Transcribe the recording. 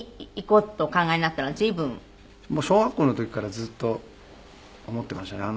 もう小学校の時からずっと思っていましたね。